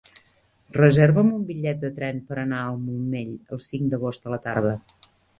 Reserva'm un bitllet de tren per anar al Montmell el cinc d'agost a la tarda.